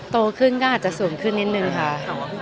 โตขึ้นก็อาจจะสูงขึ้นนิดนึงค่ะ